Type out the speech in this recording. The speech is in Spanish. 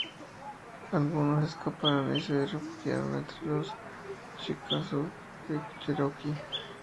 Algunos escaparon y se refugiaron entre los chickasaw, creek y cherokee.